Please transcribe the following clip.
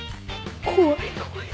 怖い怖い。